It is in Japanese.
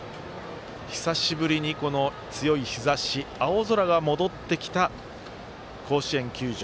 久しぶりに強い日ざし青空が戻ってきた甲子園球場。